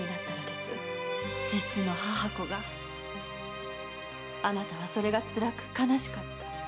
実の母子があなたはそれがつらく悲しかった。